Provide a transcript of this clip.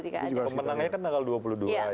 pemenangnya kan tanggal dua puluh dua ya